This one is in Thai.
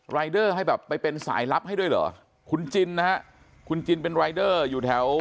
เดอร์ให้แบบไปเป็นสายลับให้ด้วยเหรอคุณจินนะฮะคุณจินเป็นรายเดอร์อยู่แถว